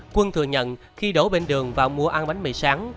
quân thừa nhận khi đổ bên đường và mua ăn bánh mì sáng